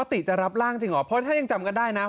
ติจะรับร่างจริงเหรอเพราะถ้ายังจำกันได้นะ